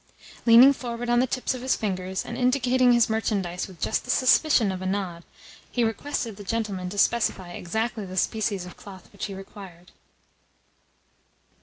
Leaning forward on the tips of his fingers, and indicating his merchandise with just the suspicion of a nod, he requested the gentleman to specify exactly the species of cloth which he required.